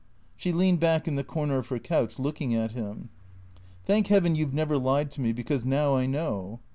She leaned back in the corner of her couch, looking at him. " Thank heaven you 've never lied to me ; because now I know."